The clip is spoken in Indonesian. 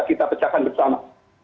kita pecahkan bersama